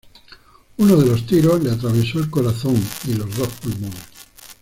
Uno de los tiros le atravesó el corazón y los dos pulmones.